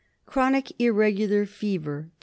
Chronic irregular fever, 2.